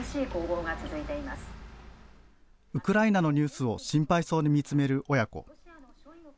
ウクライナのニュースを心配そうに見つめる親子。